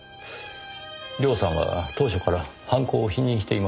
涼さんは当初から犯行を否認していますねぇ。